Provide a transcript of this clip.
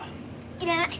いらない。